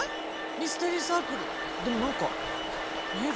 ミステリーサークルでも何か見える？